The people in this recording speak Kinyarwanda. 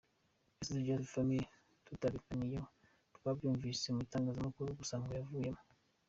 yasize Just Family tutabiganiyeho, twabyumvishe mu itangazamakuru gusa ngo yavuyemo.